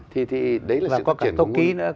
thì đấy là sự cải tiến